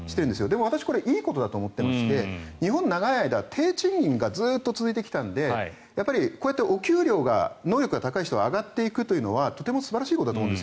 でも、いいことだと思っていて日本は長い間低賃金がずっと続いてきたのでこうやってお給料が能力が高い人は上がっていくというのはとても素晴らしいことだと。